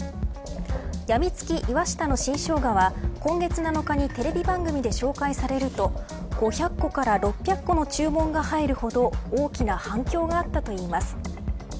やみつき岩下の新生姜は今月７日にテレビ番組で紹介されると５００個から６００個の注文が入るほど大きな反響があったといいます。